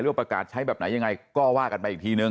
ประกาศใช้แบบไหนยังไงก็ว่ากันไปอีกทีนึง